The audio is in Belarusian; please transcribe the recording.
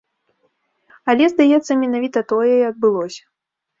Але, здаецца, менавіта тое і адбылося.